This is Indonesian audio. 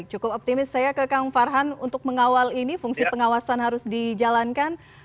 cukup optimis saya ke kang farhan untuk mengawal ini fungsi pengawasan harus dijalankan